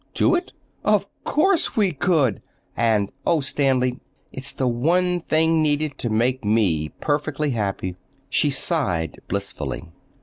"Do it? Of course we could! And, oh, Stanley, it's the one thing needed to make me perfectly happy," she sighed blissfully.